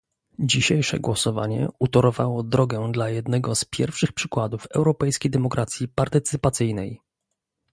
Dzisiejsze głosowanie utorowało drogę dla jednego z pierwszych przykładów europejskiej demokracji partycypacyjnej